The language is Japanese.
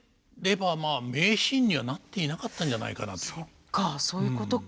そっかそういうことか。